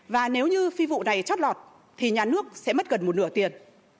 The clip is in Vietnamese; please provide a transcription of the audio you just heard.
và nếu như phi vụ này chót lọt thì nhà nước sẽ mất gần một nửa tiền